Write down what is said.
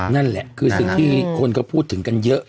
นั่นแหละคือสิ่งที่คนก็พูดถึงกันเยอะ